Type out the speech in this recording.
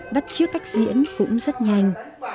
bắt chứa cách diễn cũng rất nhanh